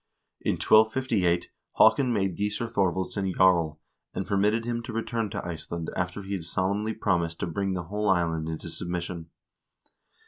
In 1258 Haakon made Gissur Thorvaldsson jarl, and permitted him to return to Iceland after he had solemnly promised to bring the whole island into submission.